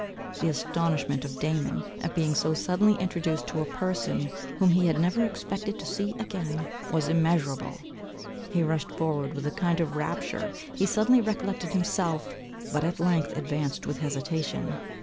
The astonishment of Damon, at being so suddenly introduced to a person, whom he had never expected to see again, was immeasurable. He rushed forward with a kind of rapture; he suddenly recollected himself; but at length advanced with hesitation.